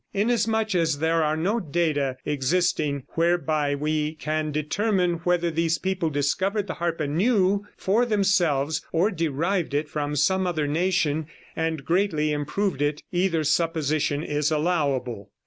Inasmuch as there are no data existing whereby we can determine whether these people discovered the harp anew for themselves or derived it from some other nation, and greatly improved it, either supposition is allowable.